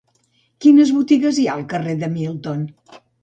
Quines botigues hi ha al carrer de Milton?